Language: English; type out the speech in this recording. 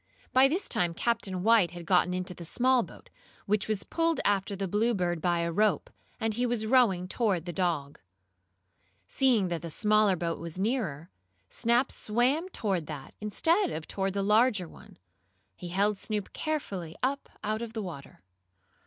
By this time Captain White had gotten into the small boat, which was pulled after the Bluebird, by a rope, and he was rowing toward the dog. Seeing that the smaller boat was nearer, Snap swam toward that, instead of toward the larger one. He held Snoop carefully up out of the water.